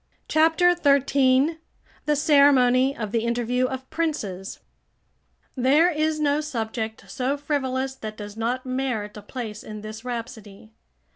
CHAPTER XIII THE CEREMONY OF THE INTERVIEW OF PRINCES There is no subject so frivolous that does not merit a place in this rhapsody.